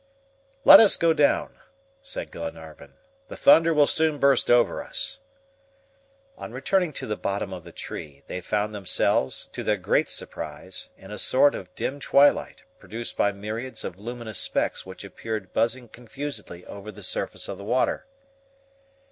"Let us go down," said Glenarvan; "the thunder will soon burst over us." On returning to the bottom of the tree, they found themselves, to their great surprise, in a sort of dim twilight, produced by myriads of luminous specks which appeared buzzing confusedly over the surface of the water.